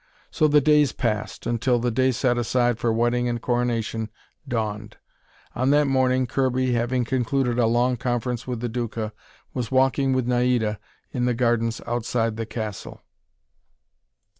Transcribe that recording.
So the days passed, until the day set aside for wedding and coronation dawned. On that morning, Kirby, having concluded a long conference with the Duca, was walking with Naida in the gardens outside the castle.